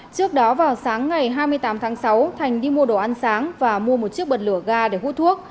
trước đó vào sáng ngày hai mươi tám tháng sáu thành đi mua đồ ăn sáng và mua một chiếc bật lửa ga để hút thuốc